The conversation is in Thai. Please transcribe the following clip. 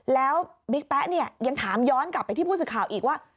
แล้วบิ๊กแป๊ะเนี่ยยังถามย้อนกลับไปที่ผู้สื่อข่าวอีกว่า